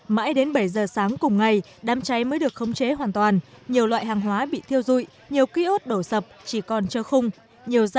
mãi đến bảy giờ sáng cùng ngày đám cháy mới được khống chế hoàn toàn nhiều loại hàng hóa bị thiêu dụi nhiều ký ốt đổ sập chỉ còn trơ khung